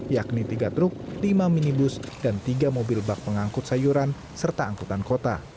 yakni tiga truk lima minibus dan tiga mobil bak pengangkut sayuran serta angkutan kota